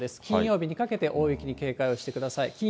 金曜日にかけて、大雪に警戒をしてください。